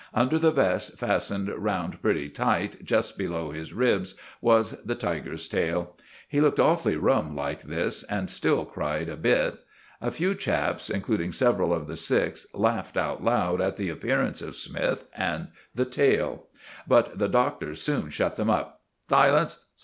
Under the vest, fastened round pretty tight, just below his ribs, was the tiger's tail. He looked awfully rum like this, and still cried a bit. A few chaps, including several of the sixth, laughed out loud at the appearance of Smythe and the tail; but the Doctor soon shut them up. "Silence!